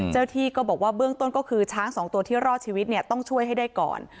ที่ก็บอกว่าเบื้องต้นก็คือช้างสองตัวที่รอดชีวิตเนี่ยต้องช่วยให้ได้ก่อน